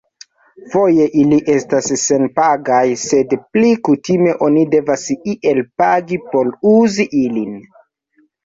Foje ili estas senpagaj, sed pli kutime oni devas iel pagi por uzi ilin.